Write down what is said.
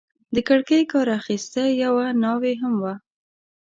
د کړکۍ کار اخیسته، یوه ناوې هم وه.